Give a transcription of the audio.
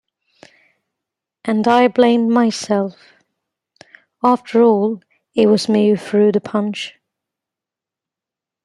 And I blamed myself, after all, it was me who threw the punch.